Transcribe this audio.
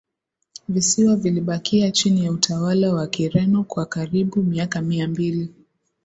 Visiwa vilibakia chini ya utawala wa Kireno kwa karibu miaka mia mbili